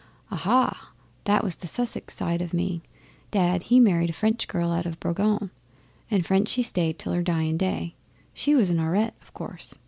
'Aha! That was the Sussex side o' me. Dad he married a French girl out o' Boulogne, and French she stayed till her dyin' day. She was an Aurette, of course.